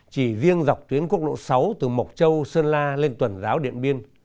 chỉ riêng dọc tuyến quốc lộ sáu từ mộc châu sơn la lên tuần giáo điện biên